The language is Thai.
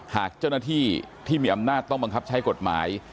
หากเจ้าหน้าที่ที่มีอำนาจต้องบังคับใช้กฎหมาย